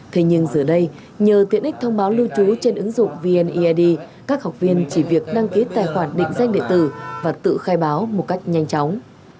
thế nhưng giờ đây nhờ tiện ích thông báo lưu trú trên ứng dụng vneid các học viên chỉ việc đăng ký tài khoản định danh địa tử và tự khai báo một cách nhanh chóng